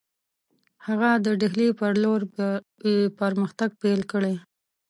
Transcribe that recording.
هغه د ډهلي پر لور یې پرمختګ پیل کړی.